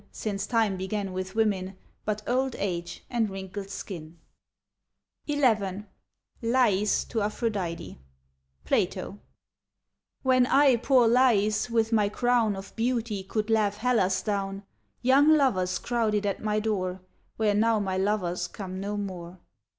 Since time began with women, but old age and wrinkled skin ? XI LAIS TO APHRODITE {Plato) When I, poor Lais, with my crown Of beauty could laugh Hellas down. Young lovers crowded at my door. Where now my lovers come no more.